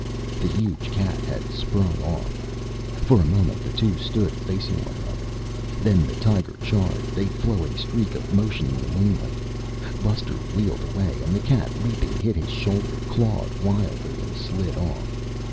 The huge cat had sprung off. For a moment, the two stood facing one another. Then the tiger charged, a flowing streak of motion in the moonlight. Buster wheeled away and the cat, leaping, hit his shoulder, clawed wildly and slid off.